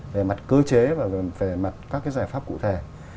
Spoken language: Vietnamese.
về mặt cơ chế và về mặt các cái giải pháp cụ thể